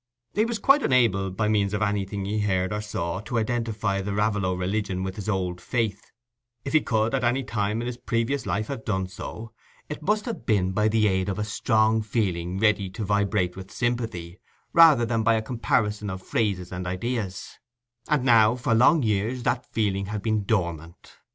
He was quite unable, by means of anything he heard or saw, to identify the Raveloe religion with his old faith; if he could at any time in his previous life have done so, it must have been by the aid of a strong feeling ready to vibrate with sympathy, rather than by a comparison of phrases and ideas: and now for long years that feeling had been dormant.